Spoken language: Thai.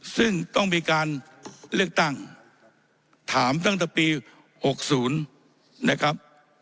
ซึ่งต้องมีการเลือกตั้งถามตั้งแต่ปี๖๐นะครับ